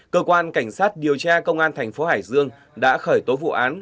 cơ quan cảnh sát điều tra công an thành phố hải dương đã khởi tố vụ án